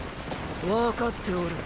分かっておる。